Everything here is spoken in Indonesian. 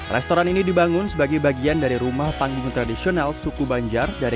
restoran ini dibangun sebagai bagian dari rumah panggung tradisional suku banjar dari